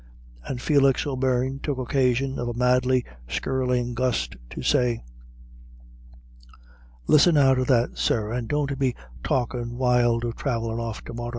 And Felix O'Beirne took occasion of a madly skirling gust to say, "Listen now to that, sir, and don't be talkin' wild of thravellin' off to morra.